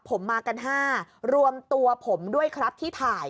ผมมากัน๕รวมตัวผมด้วยครับที่ถ่าย